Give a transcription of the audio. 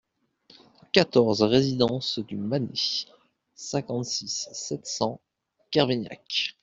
quatorze résidence du Mané, cinquante-six, sept cents, Kervignac